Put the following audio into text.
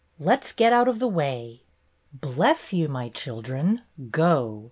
"Let's get out of the way." "Bless you, my children! Go!"